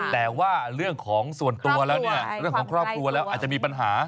แต่ว่าเรื่องของส่วนตัวแล้วเนี่ยเรื่องของครอบครัวแล้วอาจจะมีปัญหา